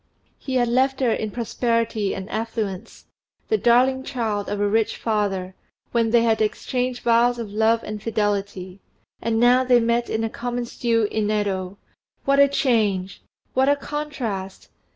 He had left her in prosperity and affluence, the darling child of a rich father, when they had exchanged vows of love and fidelity; and now they met in a common stew in Yedo. What a change! what a contrast!